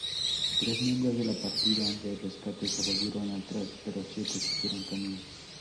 Tres miembros de la partida de rescate se volvieron atrás, pero siete siguieron camino.